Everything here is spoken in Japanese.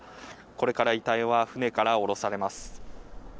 これから遺体は船から下ろされます。